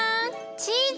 チーズ！